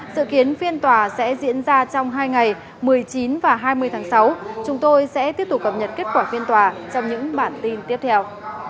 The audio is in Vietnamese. sự kiến phiên tòa sẽ diễn ra trong hai ngày một mươi chín và hai mươi tháng sáu chúng tôi sẽ tiếp tục cập nhật kết quả phiên tòa trong những bản tin tiếp theo